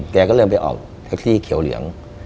แกก็เริ่มไปออกแท็กซี่เขียวเหลือง